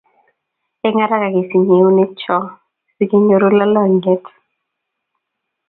eng araka kesinye keunek choo sikenyoru lalangiet